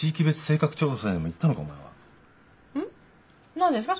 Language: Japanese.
何ですか？